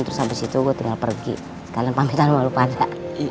terus habis itu gua tinggal pergi sekalian pamitan sama lupa ada